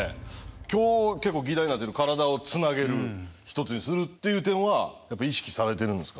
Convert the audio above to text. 今日結構議題になってる「体をつなげる」ひとつにするっていう点はやっぱ意識されてるんですか？